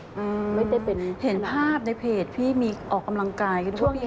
เห็นภาพในเพจพี่ออกกำลังกาย